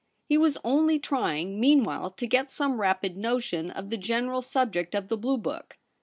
He was only trying meanwhile to get some rapid notion of the general subject of the blue book.